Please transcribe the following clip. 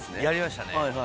やりましたね。